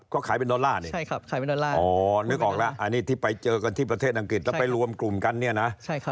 เขาขายเป็นดอลลาร์นเนี่ยโอนึกออกแล้วอันนี้ที่ไปเจอกันที่ประเทศอังกฤษแล้วไปรวมกลุ่มกันเนี่ยนะ